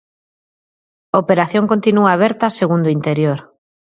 A operación continúa aberta, segundo Interior.